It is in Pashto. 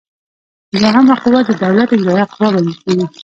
دوهمه قوه د دولت اجراییه قوه بلل کیږي.